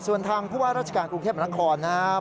ส่วนทางเพราะว่ารัชการกรุงเทพมนุษย์มนาคม